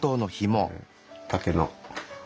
竹の。